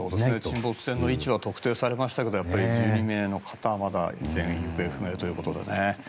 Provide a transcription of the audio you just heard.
沈没船の位置は特定されましたがやっぱり１２名の方は依然、行方不明ということでね。